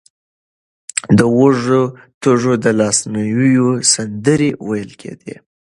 د وږو تږو د لاسنیوي سندرې ویل کېدې.